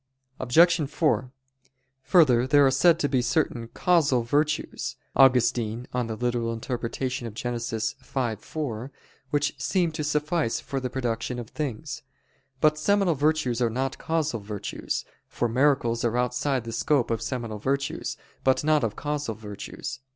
Obj. 4: Further, there are said to be certain "causal virtues" (Augustine, De Gen. ad lit. v, 4) which seem to suffice for the production of things. But seminal virtues are not causal virtues: for miracles are outside the scope of seminal virtues, but not of causal virtues.